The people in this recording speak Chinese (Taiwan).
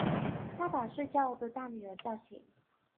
她把在睡覺的大女兒叫醒